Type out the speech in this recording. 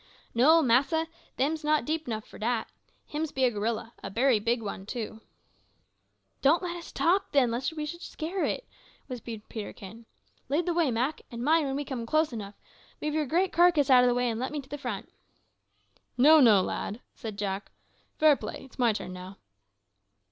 "No, massa, them's not deep 'nuff for dat. Hims be a gorilla a bery big one, too." "Don't let us talk then, lest we should scare it," whispered Peterkin. "Lead the way, Mak; and mind, when we come close enough, move your great carcass out of the way and let me to the front." "No, no, lad," said Jack. "Fair play. It's my turn now."